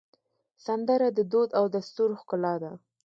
سندره د دود او دستور ښکلا ده